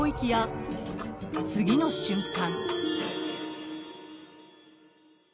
［次の瞬間］